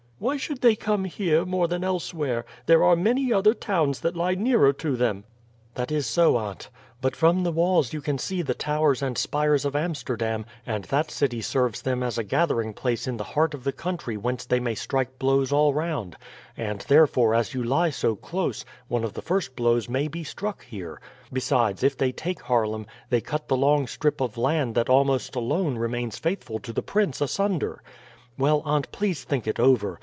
"Why should they come here more than elsewhere? There are many other towns that lie nearer to them." "That is so, aunt. But from the walls you can see the towers and spires of Amsterdam, and that city serves them as a gathering place in the heart of the country whence they may strike blows all round; and, therefore, as you lie so close, one of the first blows may be struck here. Besides, if they take Haarlem, they cut the long strip of land that almost alone remains faithful to the prince asunder. Well, aunt, please think it over.